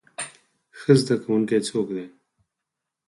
ښه زده کوونکی څوک دی؟